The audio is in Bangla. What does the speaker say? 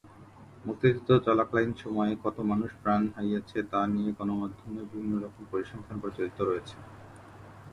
মুক্তিযুদ্ধ চলাকালীন সময়ে কত মানুষ প্রাণ হারিয়েছে তা নিয়ে গণমাধ্যমে বিভিন্ন রকম পরিসংখ্যান প্রচলিত রয়েছে।